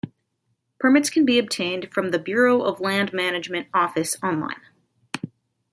Permits can be obtained from the Bureau of Land Management office online.